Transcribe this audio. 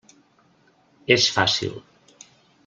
És fàcil.